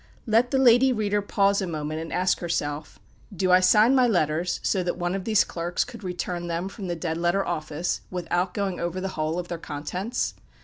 Let the lady reader pause a moment and ask herself, "Do I sign my letters so that one of these clerks could return them from the Dead Letter Office, without going over the whole of their contents?"